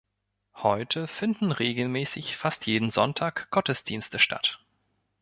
Heute finden regelmäßig, fast jeden Sonntag, Gottesdienste statt.